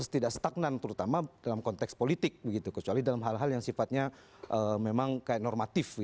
tidak stagnan terutama dalam konteks politik begitu kecuali dalam hal hal yang sifatnya memang kayak normatif